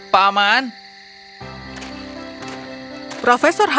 bagaimana ini bisa berhasil jalan